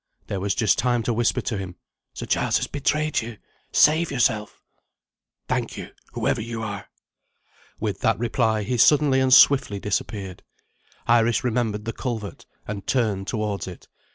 There was just time to whisper to him: "Sir Giles has betrayed you. Save yourself." "Thank you, whoever you are!" With that reply, he suddenly and swiftly disappeared. Iris remembered the culvert, and turned towards it.